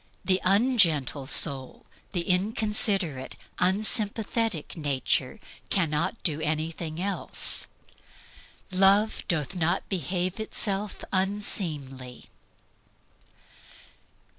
The ungentle soul, the inconsiderate, unsympathetic nature, cannot do anything else. "Love doth not behave itself unseemly."